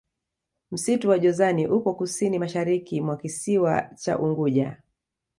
msitu wa jozani upo kusini mashariki mwa kisiwa cha unguja